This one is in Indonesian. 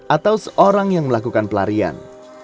atau seorang yang melakukan pelarian